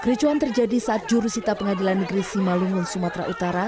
kericuan terjadi saat jurusita pengadilan negeri simalungun sumatera utara